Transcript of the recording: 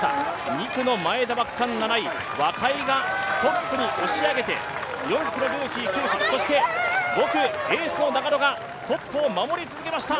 ２区の前田は区間７位、若井がトップに押し上げて、４区のルーキー・久木が、そして５区、エースの中野がトップを守り続けました。